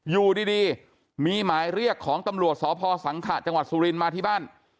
อยู่ดีมีหมายเรียกของตำรวจสพสังขะจังหวัดสุรินทร์มาที่บ้าน